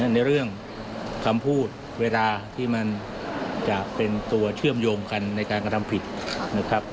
ในเรื่องคำพูดเวลาที่มันจะเป็นตัวเชื่อมโยงกันในการกระทำผิดนะครับ